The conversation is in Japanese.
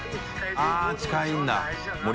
あっ近いんだ！